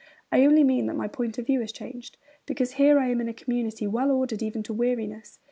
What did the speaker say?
I only mean that my point of view has changed, because here I am in a community well ordered even to weariness.'